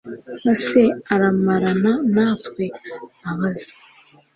ese aramarana natwe? abaza